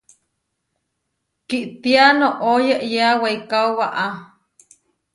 Kitia noʼó yeʼyéa weikáo waʼá.